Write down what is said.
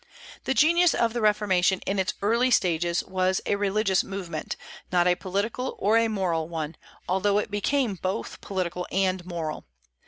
The genius of the Reformation in its early stages was a religious movement, not a political or a moral one, although it became both political and moral.